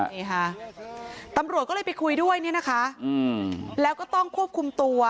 นี่ฮะตำรวจก็เลยไปคุยด้วยแล้วก็ต้องควบคุมตัว